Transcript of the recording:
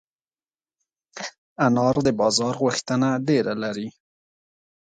انار د بازار غوښتنه ډېره لري.